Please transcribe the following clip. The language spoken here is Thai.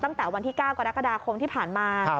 ตั้งแต่วันที่๙กรกฎาคมที่ผ่านมา